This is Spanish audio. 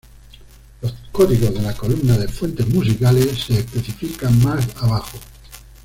Los códigos de la columna de "Fuentes musicales" se especifican más abajo.